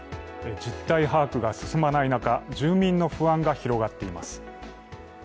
実態把握が進まない中、住民の不安が広がっています。